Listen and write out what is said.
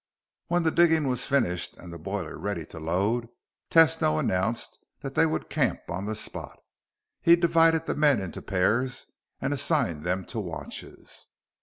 When the digging was finished and the boiler ready to load, Tesno announced that they would camp on the spot. He divided the men into pairs and assigned them to watches.